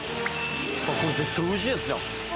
これ絶対おいしいやつじゃん。